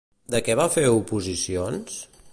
De què va fer oposicions?